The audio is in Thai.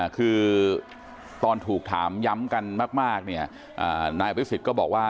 คือตอนถูกถามย้ำกันมากนายอภิษฎก็บอกว่า